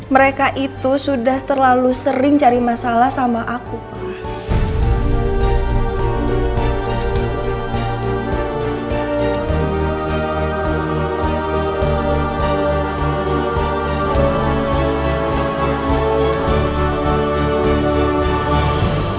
mereka itu sudah terlalu sering cari masalah sama aku pak